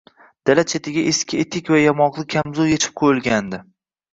Dala chetiga eski etik va yamoqli kamzul yechib qoʻyilgandi